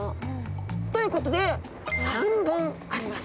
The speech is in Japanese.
ということで３本あります。